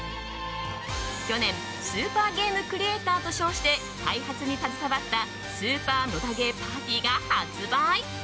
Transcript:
昨年スーパーゲームクリエーターと称して開発に携わった「スーパー野田ゲーＰＡＲＴＹ」が発売。